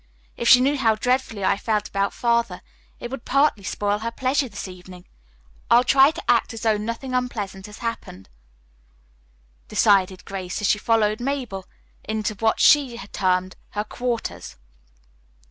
If she knew how dreadfully I felt about Father it would partly spoil her pleasure this evening. I'll try to act as though nothing unpleasant had happened," decided Grace as she followed Mabel into what she had termed her "quarters."